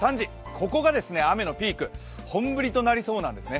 ここが雨のピーク、本降りとなりそうなんですね。